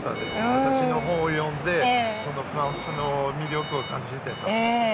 私の本を読んでフランスの魅力を感じてくれて。